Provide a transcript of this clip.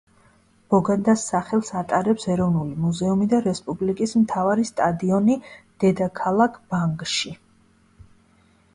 ბოგანდას სახელს ატარებს ეროვნული მუზეუმი და რესპუბლიკის მთავარი სტადიონი დედაქალაქ ბანგში.